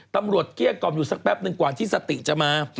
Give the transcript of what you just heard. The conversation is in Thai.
ตำรวจเกี้ยกล่อมอยู่ซักแปบนึงกว่าที่สติจะมา